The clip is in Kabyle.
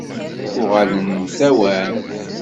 Uɣalen mtawan.